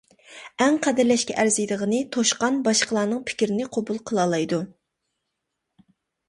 ئەڭ قەدىرلەشكە ئەرزىيدىغىنى توشقان باشقىلارنىڭ پىكرىنى قوبۇل قىلالايدۇ.